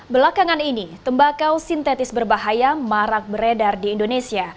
belakangan ini tembakau sintetis berbahaya marak beredar di indonesia